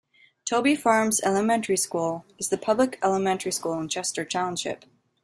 Toby Farms Elementary School is the public elementary school in Chester Township.